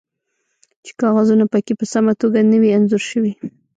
چې کاغذونه پکې په سمه توګه نه وي انځور شوي